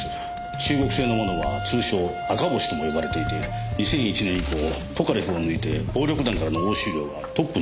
中国製のものは通称赤星とも呼ばれていて２００１年以降トカレフを抜いて暴力団からの押収量がトップに上がってる拳銃です。